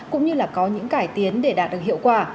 cũng như là có những cải tiến để đạt được hiệu quả